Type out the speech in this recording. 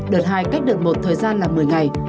đợt hai cách được một thời gian là một mươi ngày